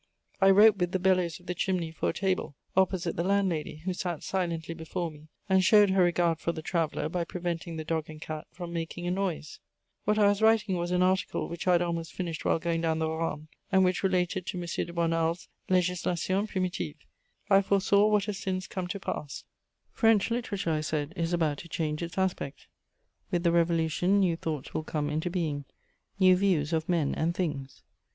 I wrote with the bellows of the chimney for a table, opposite the landlady, who sat silently before me and showed her regard for the traveller by preventing the dog and cat from making a noise. What I was writing was an article which I had almost finished while going down the Rhone, and which related to M. de Bonald's Législation primitive. I foresaw what has since come to pass: "French literature," I said, "is about to change its aspect; with the Revolution new thoughts will come into being, new views of men and things.